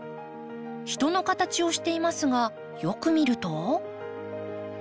人の形をしていますがよく見ると。